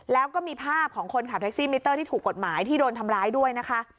แล้วก็มีภาพของคนขับแท็กซี่มิเตอร์ที่ถูกกฎหมายที่โดนทำร้ายด้วยนะคะ